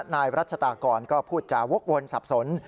นายรัชตากรก็พูดจาวกวนสับสน